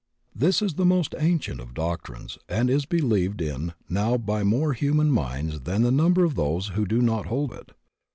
This is the most ancient of doctrines and is be lieved in now by more human minds than the num ber of those who do not hold it.